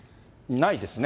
ないですね。